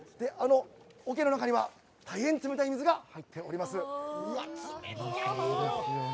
おけの中には大変冷たい水が入っております。